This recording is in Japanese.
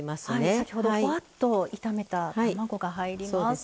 先ほど、ほわっと炒めた卵が入ります。